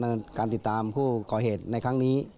ในการติดตามผู้ก่อเหตุในครั้งนี้